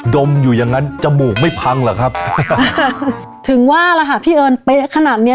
ดมอยู่อย่างงั้นจมูกไม่พังเหรอครับถึงว่าล่ะค่ะพี่เอิญเป๊ะขนาดเนี้ย